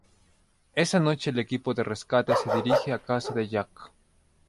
Esa noche el equipo de rescate se dirigen a casa de Jack.